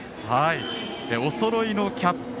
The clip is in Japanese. おそろいのキャップ。